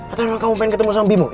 atau emang kamu pengen ketemu sama bimo